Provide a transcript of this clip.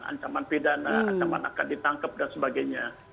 ancaman pidana ancaman akan ditangkap dan sebagainya